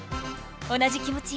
同じ気もちよ。